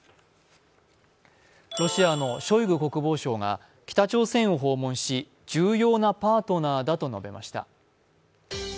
ロシアのショイグ国防相が北朝鮮を訪問し、重要なパートナーだと述べました。